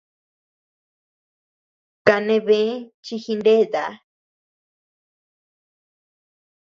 Kane bë chi jineta.